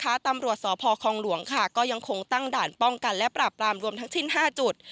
หรือฝั่งว่าตำรวจสศคลองหลวงก็ยังคงตั้งฐานป้องกันและปรับรามรวมทั้งชิ้น๕จุด